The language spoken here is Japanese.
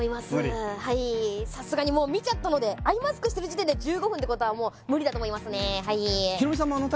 はいさすがにもう見ちゃったのでアイマスクしてる時点で１５分ってことはもう無理だと思いますね